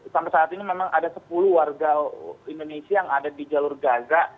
sampai saat ini memang ada sepuluh warga indonesia yang ada di jalur gaza